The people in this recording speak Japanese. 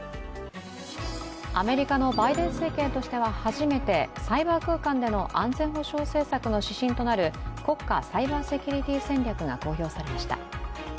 アメリカのバイデン政権としては初めてサイバー空間での安全保障政策の指針となる国家サイバーセキュリティー戦略が公表されました。